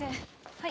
はい。